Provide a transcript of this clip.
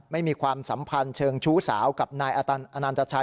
มีความสัมพันธ์เชิงชู้สาวกับนายอนันตชัย